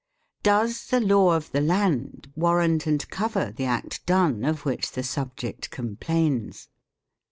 Does the "Law of the Land " warrant and cover the act done of which the subject complains?